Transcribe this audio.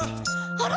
あら！